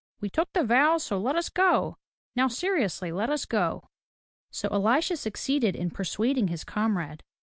We took the vows, so let us go. Now seriously, let us go." So Elisha succeeded in persuading his comrade.